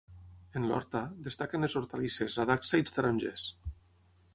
En l'horta, destaquen les hortalisses, la dacsa i els tarongers.